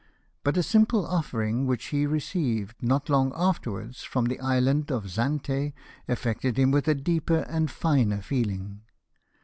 But a simple offering, which he received, not long afterwards, from the island of Zante, affected him with a deeper and finer feeling.